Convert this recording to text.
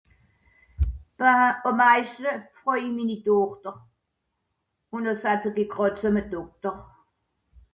ich froj mini dochter